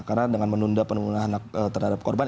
karena dengan menunda pemenuhan anak terhadap korban